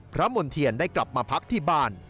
มณ์เทียนได้กลับมาพักที่บ้าน